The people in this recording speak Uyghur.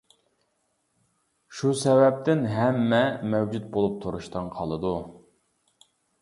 شۇ سەۋەبتىن ھەممە مەۋجۇت بولۇپ تۇرۇشتىن قالىدۇ.